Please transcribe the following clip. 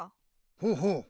ほうほう。